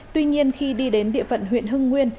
tuy nhiên khi đi đến địa phận huyện hưng nguyên